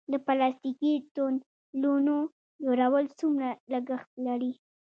د پلاستیکي تونلونو جوړول څومره لګښت لري؟